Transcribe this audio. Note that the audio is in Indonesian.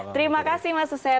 terima kasih mas usef